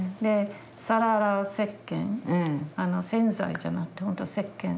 皿洗うせっけん洗剤じゃなくて本当せっけん。